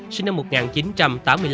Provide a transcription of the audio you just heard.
sinh năm một nghìn chín trăm tám mươi năm